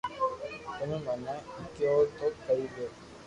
تمي مني ڪيويو تو ڪري ليو